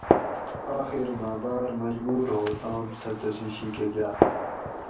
آخر مہ باۤر مجبوُر ہو توم سہۤ تسُوں شی کہ گاۤ